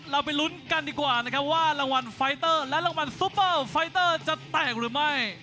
เราไปลุ้นกันดีกว่านะครับว่ารางวัลไฟเตอร์และรางวัลซูเปอร์ไฟเตอร์จะแตกหรือไม่